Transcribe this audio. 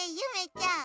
ちゃん